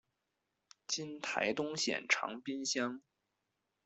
今台东县长滨乡。